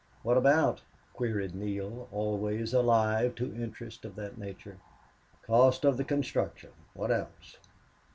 "What about?" queried Neale, always alive to interest of that nature. "Cost of the construction. What else?